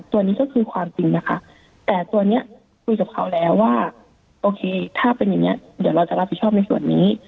ตัวนี้ก็คือความจริงนะคะแต่ตัวนี้คุยกับเขาแล้วว่าโอเคถ้าเป็นอย่างนี้เดี๋ยวเราจะรับผิดชอบในส่วนนี้